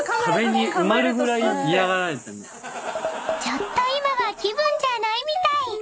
［ちょっと今は気分じゃないみたい］